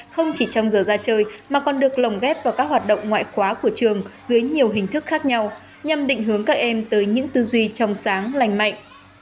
không chỉ trong giờ ra chơi mà còn được lồng ghép vào các hoạt động ngoại khóa của trường dưới nhiều hình thức khác nhau nhằm định hướng các em tới những tư duy trong sáng lành mạnh